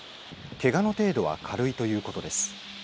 けがの程度は軽いということです。